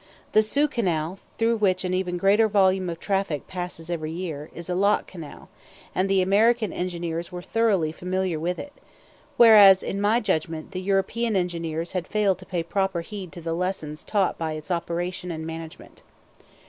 The Soo Canal, through which an even greater volume of traffic passes every year, is a lock canal, and the American engineers were thoroughly familiar with it; whereas, in my judgment, the European engineers had failed to pay proper heed to the lessons taught by its operation and management.